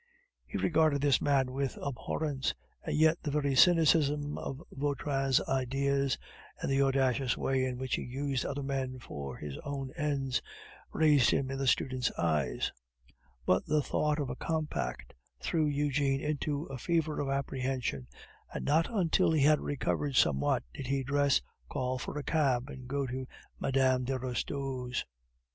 He regarded this man with abhorrence, and yet the very cynicism of Vautrin's ideas, and the audacious way in which he used other men for his own ends, raised him in the student's eyes; but the thought of a compact threw Eugene into a fever of apprehension, and not until he had recovered somewhat did he dress, call for a cab, and go to Mme. de Restaud's.